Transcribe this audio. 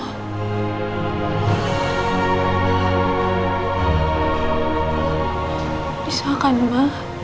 tidak bisa kan ma